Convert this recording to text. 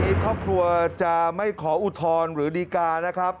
ครอบครัวจะไม่ขออุทธรณ์หรือดีกานะครับ